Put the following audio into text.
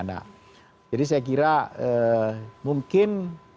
nah jadi saya kira mungkin